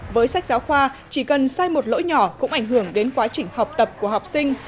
với sách giáo khoa chỉ cần sai một lỗi nhỏ cũng ảnh hưởng đến quá trình học tập của học sinh